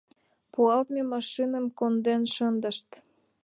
Пуалтыме машиным конден шындышт.